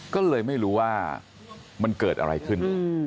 ก็เลยไม่รู้ว่ามันเกิดอะไรขึ้น